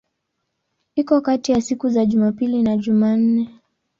Iko kati ya siku za Jumapili na Jumanne.